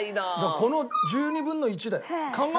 この１２分の１だよ。